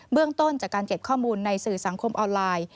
เรื่องต้นจากการเก็บข้อมูลในสื่อสังคมออนไลน์